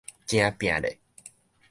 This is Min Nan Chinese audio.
誠拚咧